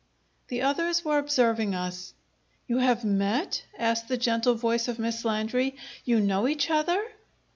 The others were observing us. "You have met?" asked the gentle voice of Miss Landry. "You know each other?"